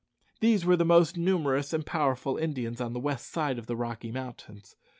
These were the most numerous and powerful Indians on the west side of the Rocky Mountains.